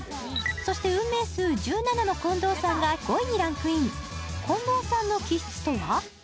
そして運命数１７の近藤さんが５位にランクイン近藤さんの気質とは？